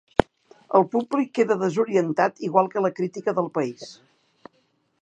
El públic queda desorientat igual que la crítica del país.